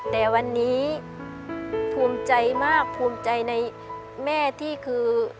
แต่วันนี้ภูมิใจมากภูมิใจในแม่ที่คือ